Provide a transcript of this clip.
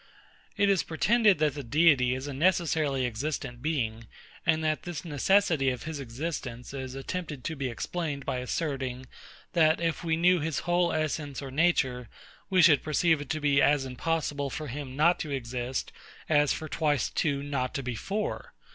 It is pretended that the Deity is a necessarily existent being; and this necessity of his existence is attempted to be explained by asserting, that if we knew his whole essence or nature, we should perceive it to be as impossible for him not to exist, as for twice two not to be four.